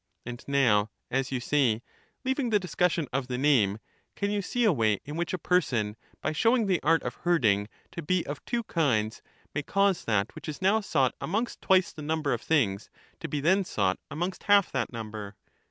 And now, as you say, ^^^ f^o leaving the discussion of the name, — can you see a way in about ^ 262 which a person, by showing the art of herding to be of two words, he kinds, may cause that which is now sought amongst twice the richer the number of things, to be then sought amongst half that in wisdom n^ nber?